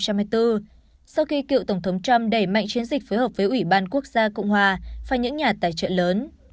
sau khi cựu tổng thống trump đẩy mạnh chiến dịch phối hợp với ủy ban quốc gia cộng hòa và những nhà tài trợ lớn